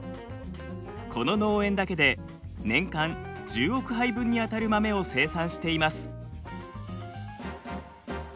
この農園だけで年間１０億杯分にあたる豆を生産しています。